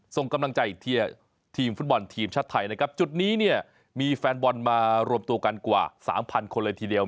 ส่งกำลังใจเทียทีมฟุตบอลทีมชาติไทยนะครับจุดนี้เนี่ยมีแฟนบอลมารวมตัวกันกว่าสามพันคนเลยทีเดียว